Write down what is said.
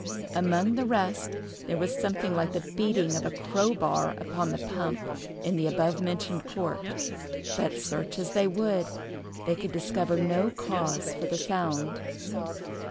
Among the rest, there was something like the beating of a crow bar upon the pump in the abovementioned court; but, search as they would, they could discover no cause for the sound.